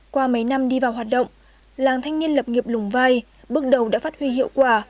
qua mấy năm đi vào hoạt động làng thanh niên lập nghiệp lùng vai bước đầu đã phát huy hiệu quả